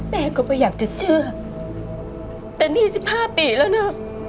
แม่ก็ไม่อยากจะเชื่อแต่นี่สิบห้าปีแล้วนะ